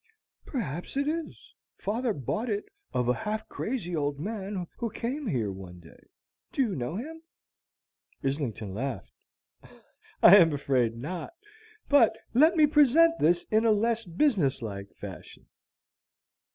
"Perhaps it is. Father bought it of a half crazy old man who came here one day. Do you know him?" Islington laughed. "I am afraid not. But let me present this in a less business like fashion."